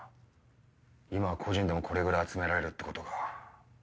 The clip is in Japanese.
今は個人でもこれぐらい集められるってことか。